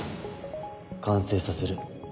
完成させる